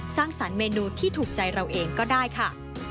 สร้างสรรคเมนูที่ถูกใจเราเองก็ได้ค่ะ